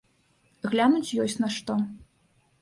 Глянуць ёсць на што.